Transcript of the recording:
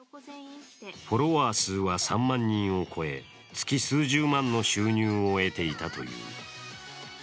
フォロワー数は３万人を超え、月数十万の収入を得ていたという。